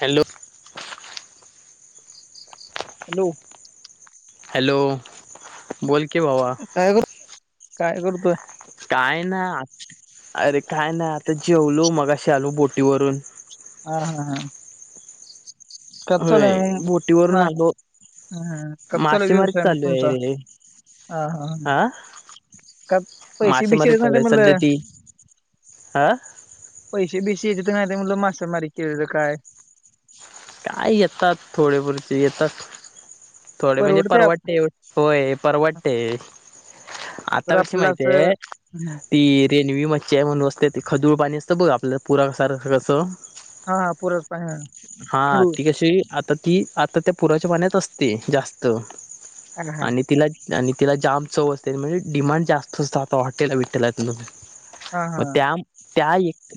Hello. Hello. Hello बोल कि भावा. काय करू काय करूतोय काय ना अरे काय ना आता जेवलो मगशीे आलू बोटीवरून हा हा हा कच्चाल होय बोटीवरून आलो कच्चाला मासेमारी व्यवसाय मग चालू आहे तुमचा रे ह हा ह का पैसे बिसे ना ते म्हलं. आा. पैसे बेशी एकदम तर आले म्हणून मासेमारी केलेलं काय? काय येतात थोडे पुरचे येतात, थोडे म्हणजे परवडते आप- परवाडतेव होय परवडते आता तर कशी आपल्याला असं माहतेय हं, ती रेनवी मच्छय म्हणून असते ती खदुळ पाणी असतं बघ आपल्याला पुरा कसार कसं हा हा हो पुराचे पाणी हा हळू ती आता ती आता त्या पुराच्या पाण्यात असते जास्त हा हा आणि तिला आणि तिला जाम चव असते म्हणजे डिमांड जास्त असतं आता हॉटेल भिटलातन हा म हा त्या त्या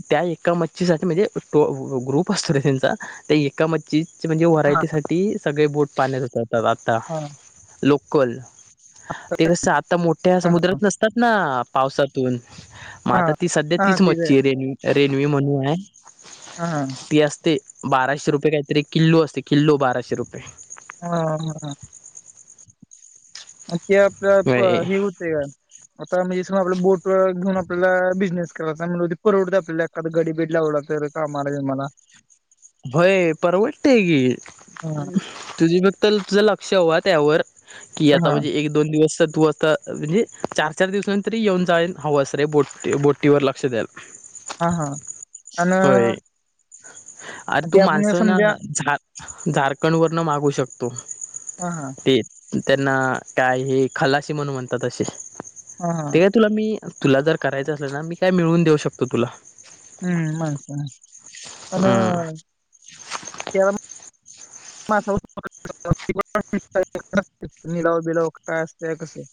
त्या एका मच्छी साठी म्हणजे ग्रुप असतो ना त्यांचा त्या एकाम म्हणजे हा व्हरायटी साठी सगळे बोट पाण्यात होतात आता हा लोकल ते कस आता मोठ्या हा समुद्रात नसतात ना पावसातून मग हा आता ती सध्या हा, तीच ते बी मच्छ आहे रेनवी रेनवी म्हणू आहे हा हा ती असते बाराशे रुपये काहीतरी किल्लो असते किल्लो बाराशे रुपये ह ह ते होय आपलं हे होतेय आता म्हणजे स आपला बोट घेऊन आपल्याला बिझनेस करायचा म्हणजे परवडत आपल्याला आ गडी बीडी लावला असल कामाला बिमाला भय परवडतेय गी हा. तुझी फक्त तुझ लक्ष हवा त्यावर कि आता हा म्हजे एक दि दोन दिवस तू असता म्हणजे चार चार दिवसानंतर येऊन जान हवं अस रे बोट बट टी वर लक्ष द्याल हा हा अन.. ह अरे तू माणसं ना समजा झा झारखंड वरन मागू शकतो हा हा ते... त्यांना काय ह खलाशीी म्हणून म्हणतात असे हा ते ह काय तुला मी तुला जर करायचं असेल ना मी काय मिळवून देऊ शकतो तुला हम्म मास हम्म आणि त्या मा स निलाव बिलाव काय असते कसं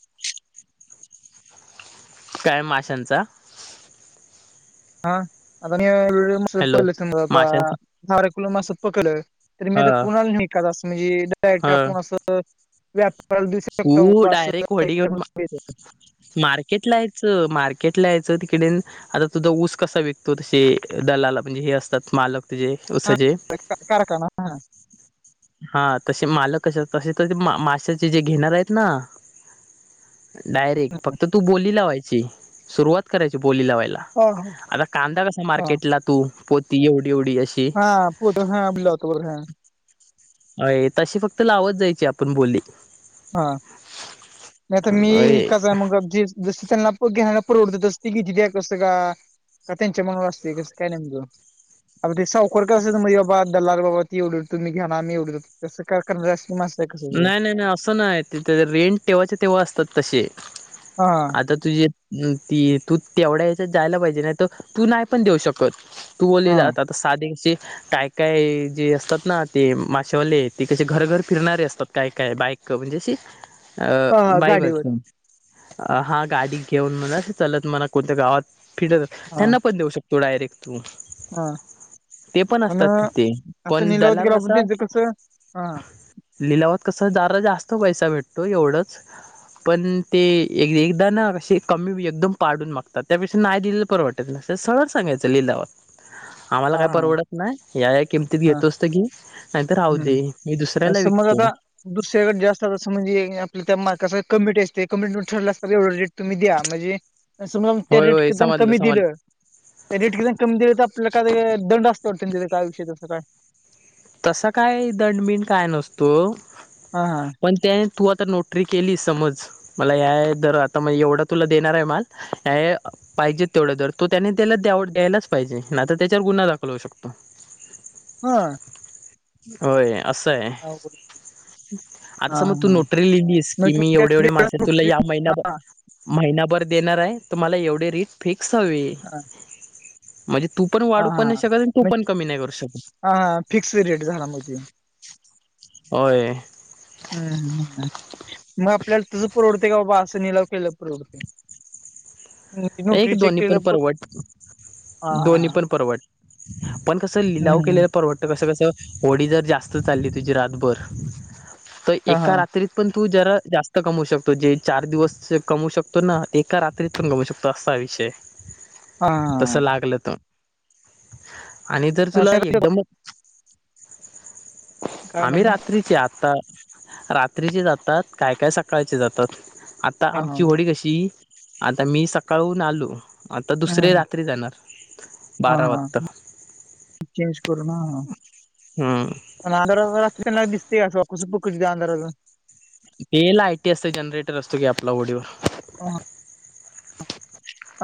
काय माशांचा हा आता मसप हॅलो च माशांचा सारे कुल मास पकड तर मी आता ह कुणाला नाही एकदाच असं म्हणजे डायरेक्ट ह आपण असं व्याप तू दुसऱ्या सप्ता मार्केट ला यायचं मार्केट ला यायचं तिकडे आता तुझा ऊस कसा विकतो तसे दलाला म्हणजे हे असतात मालक तुझे हा, ऊसाचे कारखाना हा हा तसे मालक कसे तर ते माशचे जे घेणार आहेत ना डायरेक्ट फक्त तू बोली लावायची सुरुवात करायची बोली लावायला हा हा आता कांदा कसा हा मार्केटला तू पोती एवढी एवढी अशी हा पत हा बिलत बोर ह अ तशी फक्त लावत जायची आपण बोली हा नाही तर मी अय इकाच आहे मग अबजी जस् त्यांना आप घ्यायला परवडती तस् तसी घिती द्या तस का का त्यांच्या मनावर असते कसं काय नेमक अ ते सावकर कस असे म्हे बाबा दलाल बाबा तीवड होु मी घ्याणार मी एवढो त काय करणार आहे कसं नाही नाही नाही असं नाही रेंट तेव्हाचे तेव्हा असतात तसे हा आता तुझी ती तू तेवढ्या याच्यात जायला पाहिजे नाही तर तू नाही पण देऊ शकत तू हा साधे कसे काय काय जे असतात ना ते माशावले ते कसे घरघर फिरणारे असतात काय काय बाईक म्हणजे अ हा हा बाई म्ह गाडीवर अ हा गाडी घेऊन म्हणा अस चलत मणा कोणत्या गावात फिटत हा त्यांना पण देऊ शकत तो डयरेक्ट तू हा ते पण प असतात तिथे असं पण निलावत दलाल केेला पण कसा त्यांचं कसं हा लिलावात कसं जराा जास्त पैसा भेटतो एवढंच पण ते एक एकदा ना के कमी एकदम पाडून मागतात त्यापेक्षा नाही दिलेलं परवडतं सर सांगायचं लिलावत आम्हाला हा हा काय परवडत नाही या या किमतीत हा घेतो असतं की नाहीतर राह हम्म दे मी दुसऱ्याला विकत समज आता दुसऱ्याकडे जास्त असं म्हणजे आपल्या त्या मार्काच कमिटी असते कमिट ठर अस एवढं तुम्ही द्या म्हणजे समजा ते होय रेट होय कि समजलं कमी दिलं समजलं तर रेट किती कमी द तर आपला काय दंड असत वाटत त्यां काय विषी तसं काय तसं काय दंडबिण काय नसतो हा हा पण त्याने तू आता नोटरी केली समज मला या दर आता म्हणज एवढा तुला देणार आहे माल हे पाहिजेत तेवढा जर तो त्याने त्याला द्याव द्यायलाच पाहिजे ना तर त्याच्यावर गुन्हा दाखल होऊ शकतो हा होय असं आहे अवघड. आता हा समज तू हा हा. नोटरी लिहिली आहेस मग की ते मी त्या एवढे एवढे वेळेला मासे सुट- तुला या हा महिन्या महिनाभर देणार आहे तुम्हाला एवढे रीट फिक्स हवे हा म्हणजे तू पण हा वाढू पण नाही हा शकत आणि तू पण कमी नाही करू शकत हा ह फिक्स रेट झाला मध्ये होय हम् ह मग आपल्याला तुझं परवडते का बाबा असं निलाव केलं परवडते एक नोटरी दो् चेक पण केलं पर पर्वत हा हा दो्ही पण हा पर्वत पण कसं लिलाव हम्म, हम्म. केलेला परवत कस कस होडी जर जास्त चालली तुझी रातभर तर हा हा एका रात्री पण तू जरा जास्त कमवू शकतो जे चार दिवस कमव शकतो ना एका रात्रीत पण कमवू शकतो ता विषय हा तसं हा. लागलं त आणि जर तुला असं एकदमच काय आम्ही म्हणणार रात्रीची आत्ता रात्रीचे जातात काय काय सकाळचे जातात आता हा हा आमची होडी कशी आता मी सकाळून आलो आता दुसरे हां, रात्री जाणार हां, बारा हां. वाजता चेंज कर ना हम्म पण अनुराधा त्यांना दिसतेय कावा कसं अंधाराचं ते ला आयटी असत जनरेटर असतो की आपला ओडीवर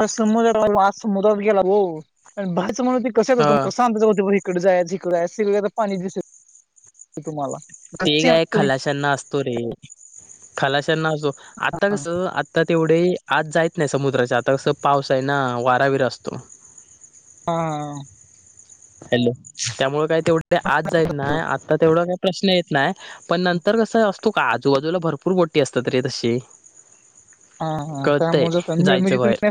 अ समुद्र आज समुद्रात गेला हो बारचं म्हण हो कसच हो ह कसं आमाय हो तिकडे जाय झिक सिक तर पाणी दिस तुम्हालातही तो खलाशनाजो आता क आ तरता तेवढे आज जायच नाही समुद्राच्या आता कसं पाऊस आहे ना वारावीर असतो हा हॅलो त्यामुळे काय तेवढे आज जायत ना आत्ता तेवढा काय प्रश्न येत नाही पण नंतर कसं असतो का आजूबाजूला भरपूर गोटी असत तरी तशी हा हा कळतंय त्यामुळे जायचं म्हणजे बाहेर तुम्हीं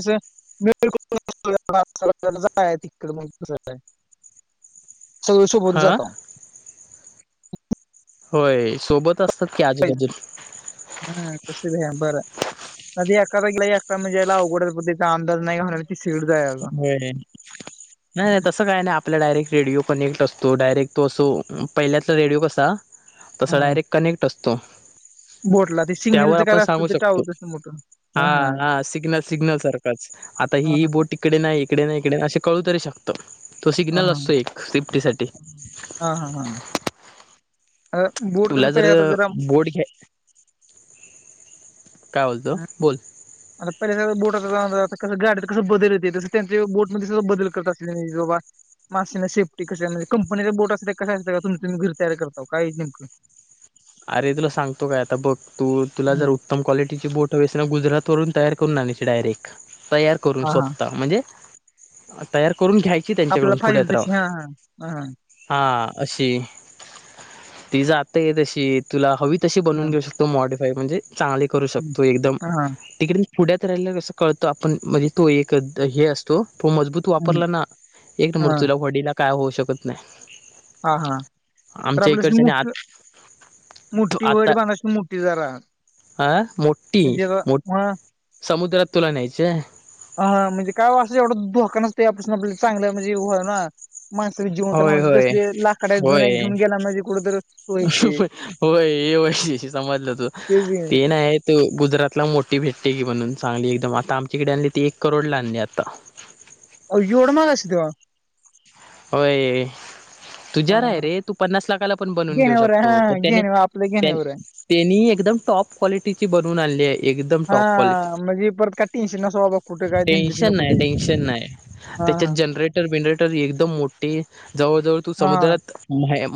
तकडे म क सगष बोोलू हा जात होय सोबत असतात की आजूबाजू हा खुशीदी आहे बर नदी एकालाक म्हजेला गड बित आमदज नाही घाणारला त सिड जाय अग असं काय नाही आपला डायरेक्ट रेडियओ कनेक्ट असतो डायरेक्ट तो असो पहिल्यातला रेडिओ कसा तसा हां. डायरेक्ट कनेक्ट असतो बोटला ते त्यावर सिग्नलचं काय आपण असतं सांगू ते शकतो टावर तसं मोठं हा हा सिग्नल सिग्नल सारख आता हा ही हा बोट इकडे नाही इकडे नाही इकडे असे कळू तरी शकत तो सिग्नल हा असतो एक सेफ्टी साठी हा हा हा बूट कसं पहिात जरा बोर्ड घ्या काय बोलतो बोल आणिता पहिल्या बोटाचाता कसं गाड तर कसं बदल येते तसं त्यांच्या बोटमध्ये तस बदल करत असले बाबा मास्से नाही सेफ्टी कशी म्हजे कंपनीचा बोट असते का कश असतं तुम्ही तुम्ही घर तर करता का अरे तुला सांगतो काय आता बघ तू तुला हं. जर उत्तम क्वालिटीची बोट वे गुरात वरून तया करून आणायची डायरेक्ट तया हा हा स्वत म्हणजे. तयार करून घ्या आपल्याला त्यांच्याकडून पाहिजे पुण्यात राहून तशी हा हा हा हा हा अशी ती ज आता आहे तशी तुला हवी तशी हा बनून घेऊ शकते तो मॉडफाय म्हणजे चांगली करू हं. शकतो एकदम हा हा तिकडे पुढ्यात राहियला कसं कळत आपण म्हणजे तो एक हे असतो तो मजबूत तू हं. वापरला ना एक हा मृत्यूला वडीला काय होऊ शकत हा नाही हा तर आमच्या आपल्याशी इकडच्या आणि मोठी आत त मोठी वड आता बांधायची मोठी जरा अं मोठी म्हणजे जरा- हा समुद्रात तुला न्यायचं ह म्हणजे काय वष एवढं धोका नसते यापासून आपल्याला चांगलं म्हणजे ना माणस जेवण राणार होय तस होय. लाकडा जुन्या होय घेऊन गेला म्हणजे कुठ तर वयचे होय हे वैशशी समजलं तू ते नाही गुजरातला मोठी भेटते की म्हणून चांगली एकदम आता आमच्याकडे आणली ती एक करोड ला आणली आता अ जोड माग असतं का होय तुझ्या रा आहे रे तू पन्नास लाखाला पण बनवून घेऊ घेण्यावर आहे शकतो हा पण त्याने घेण्या आपल्या घेण्यावर आहे त्यांनी एकदम टॉप क्वालिटी ची बनवून आणली आहे एकदम हा टॉप क्वालिटी म्हणजे परत काय टेन्शन नसो बाबा कुठे काय धंदीत न टेन्शन नाही कुठे टेन्शन नाही हा त्याच्यात जनरेटर बेनरेटर एकदम मोठे जवळ जवळ तू हा हा समुद्रात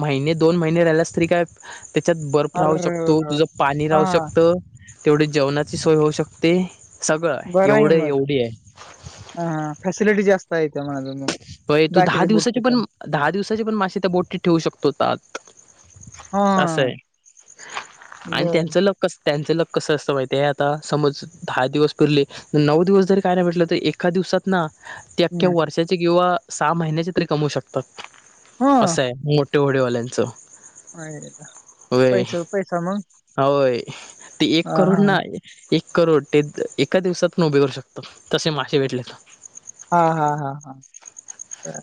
महिने दोन महिने राहिलास तरी काय त्याच्यात बर्फ अर राहू शकतो तुझं पाणी राहू हा शकत तेवढी जेवणाची सोय होऊ शकते सगळं बरं आहे एवढं मग एवढी आहे. फॅसिलिटी जास्त आहे त्या मज हो तू दहा दिवसाचे पण दहा दिवसाचे पण मासे त्या बोटी ठेवू शकतोतात अस हा आहेय आणि बर त्यांचं लोक कस त्यांच लग कस असतं माहिती आता समज दहा दिवस परले नऊ दिवस जरी काय नाही म्हटलं तर एका दिवसात ना ते अख्ख्या हम्म वर्षाचे किंवा सहा महिन्याचे तरी कमवू शकतते हा असं आहे मोठे होडीवाल्यांचं अरे वा. होय पैसा पैसा मग होय ते एक हा करोड हा ना एक करोड ते एका दिवसात न उभे करू शकतात तसे मासे भेटले तर हा हा हा हा बर.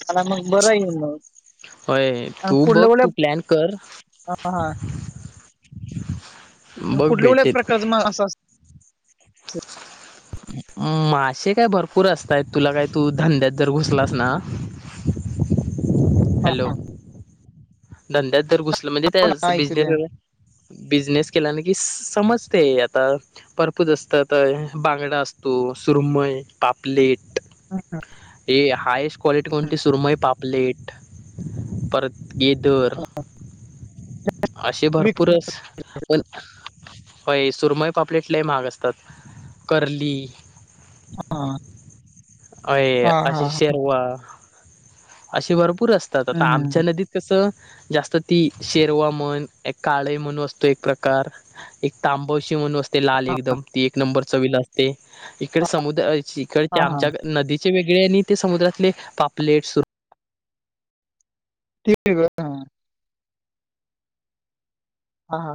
त्याला मग बरं येईल म होय तू बघ तू प्लॅन कर. हा आणि बघ कुठल्या कुठल्या भेटेत प्रकारचं मग असं असतं मासेे काय भरपूर असतय तुला काय तू धंद्यात जर घुसलास ना. हा हॅलो, धंद्यात जर घुसलं म्हणजे हा, त्या ऐकू दे बिझनेस बिझनेस केलाने की समजते आता. भरपूत असतात बांगडा असतो सुरमय, पापलेट, [unintelligible] ये हायस्ट क्वालिटी कोणती सुरमय, पापलेट परत ये दर, अशे विक भरपूरच पण होय सुरमय, पापलेट लई महाग असतात कर्ली, हा अय हा हा असशी हा शेरवा. अशे भरपूर असतात आता हम्म, आमच्या हम्म. नदीत कस जास्त ती शेरवा म्हण एक काळे म्हणू असतो एक प्रकार, एक तांबवशी म्हणून अस ते लाल एकदम ती एक नंबर चवील असते इकडे समुद्र हा इकडच्या हा आमच्या नदी वेगळे ते समुद्रातले पापलेट, सूर [unintelligible] हा.